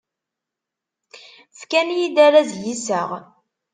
Fkan-iyi-d arraz i yiseɣ.